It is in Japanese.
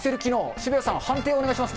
渋谷さん、判定をお願いします。